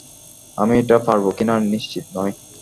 আমি এটা পারবো কিনা, নিশ্চিত নই।